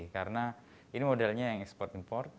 karena ini modelnya yang ekspor import